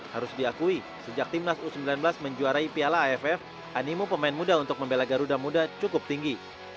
harus diakui sejak timnas u sembilan belas menjuarai piala aff animu pemain muda untuk membela garuda muda cukup tinggi